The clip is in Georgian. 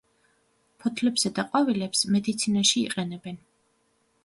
ფოთლებისა და ყვავილებს მედიცინაში იყენებენ.